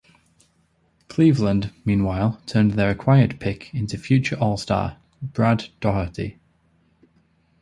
Cleveland, meanwhile, turned their acquired pick into future All-Star Brad Daugherty.